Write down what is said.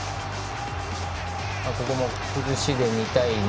ここも崩しで２対２。